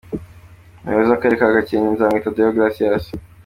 Umuyobozi w’Akarere ka Gakenke, Nzamwita Deogratias.